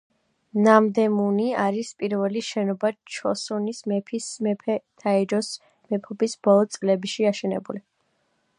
ნამდემუნი არის პირველი შენობა ჩოსონის მეფის მეფე თაეჯოს მეფობის ბოლო წლებში აშენებული.